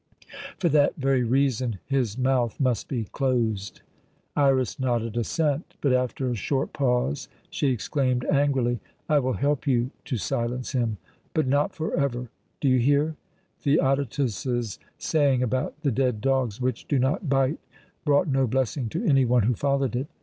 "For that very reason his mouth must be closed." Iras nodded assent, but after a short pause she exclaimed angrily: "I will help you to silence him, but not forever. Do you hear? Theodotus's saying about the dead dogs which do not bite brought no blessing to any one who followed it.